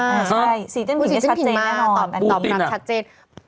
กูสีจิ้นผิงมาตอบนับชัดเจน